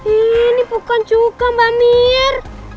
ini bukan cuka mbak mir